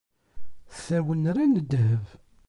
Tawenra n ddheb.